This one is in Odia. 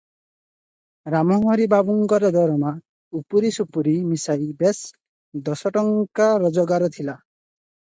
ରାମହରି ବାବୁଙ୍କର ଦରମା ଉପୁରି ସୁପୁରି ମିଶାଇ ବେଶ ଦଶଟଙ୍କା ରୋଜଗାର ଥିଲା ।